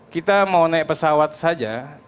kita mau naik pesawat saja